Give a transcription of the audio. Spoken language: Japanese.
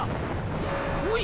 おい！